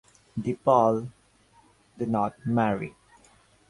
De Paul did not marry.